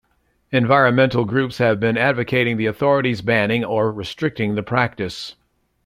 Environmental groups have been advocating the authorities' banning or restricting the practice.